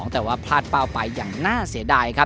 แต่ว่าพลาดเป้าไปอย่างน่าเสียดายครับ